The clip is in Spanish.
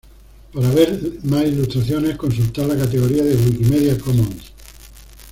Para ver más ilustraciones, consultar la categoría de Wikimedia Commons.